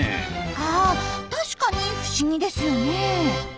あ確かに不思議ですよね。